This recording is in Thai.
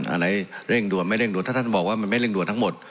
อะไรเร่งด่วนไม่เร่งด่วนถ้าท่านบอกว่ามันไม่เร่งด่วนทั้งหมด